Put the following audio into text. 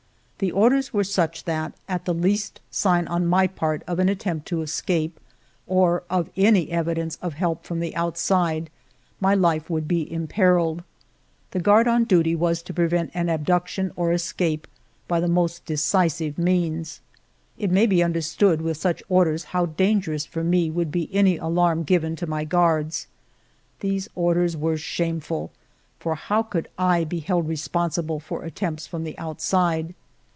The orders were such that, at the least sign on my part of an attempt to escape, or of any evi dence of help from the outside, my life would be imperilled. The guard on duty was to pre vent an abduction or escape, by the most decisive means. It may be understood, with such orders how dangerous for me would be any alarm given to my guards. These orders were shameful ; for how could I be held responsible for attempts from the outside?